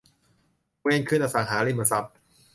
เวนคืนอสังหาริมทรัพย์